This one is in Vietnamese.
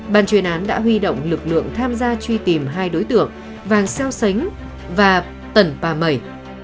bàn truyền án đã huy động lực lượng tham gia truy tìm hai đối tượng vàng xeo sánh và tần bà mẩy